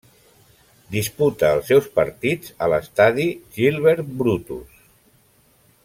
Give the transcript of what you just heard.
Disputa els seus partits a l'estadi Gilbert Brutus.